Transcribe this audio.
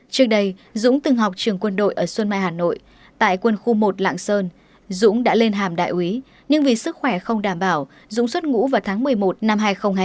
trước đây dũng từng học trường quân đội ở xuân mai hà nội tại quân khu một lạng sơn dũng đã lên hàm đại úy nhưng vì sức khỏe không đảm bảo dũng xuất ngũ vào tháng một mươi một năm hai nghìn hai mươi